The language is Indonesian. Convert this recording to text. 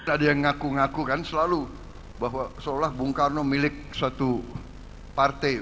ada yang ngaku ngaku kan selalu bahwa seolah bung karno milik suatu partai